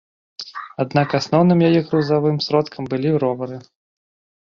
Аднак асноўным яе грузавым сродкам былі ровары.